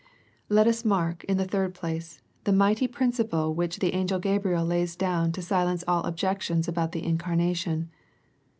Let us mark, in the third place, the mighty principle which the angel Gabriel lays dotvn to silence all olgec^ tiona abotU the incarnation.